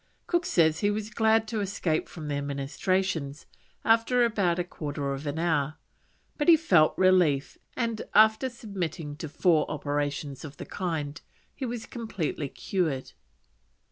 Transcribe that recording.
Cook says he was glad to escape from their ministrations after about a quarter of an hour, but he felt relief, and, after submitting to four operations of the kind he was completely cured.